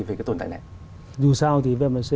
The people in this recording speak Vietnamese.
về cái tồn tại này dù sao thì vamc